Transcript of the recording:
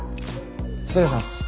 失礼します。